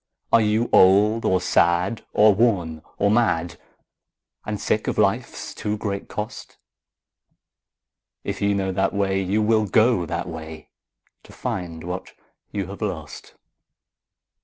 Are you old or sad or worn or mad, And sick of life's too great cost? If you know that way, you will go that way, To find what you have lost.